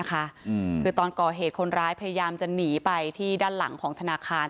คือตอนก่อเหตุคนร้ายพยายามจะหนีไปที่ด้านหลังของธนาคาร